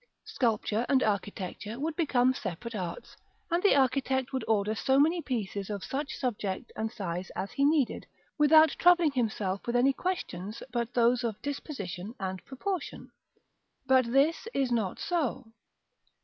Sculpture and architecture would become separate arts; and the architect would order so many pieces of such subject and size as he needed, without troubling himself with any questions but those of disposition and proportion. But this is not so.